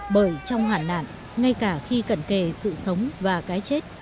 bởi trong hạn nạn ngay cả khi cẩn kề sự sống và cái chết